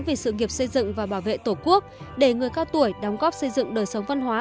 vì sự nghiệp xây dựng và bảo vệ tổ quốc để người cao tuổi đóng góp xây dựng đời sống văn hóa